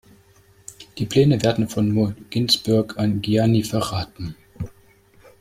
Die Pläne werden von Mo Ginsburg an Gianni verraten.